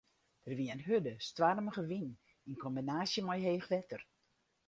Der wie in hurde, stoarmige wyn yn kombinaasje mei heech wetter.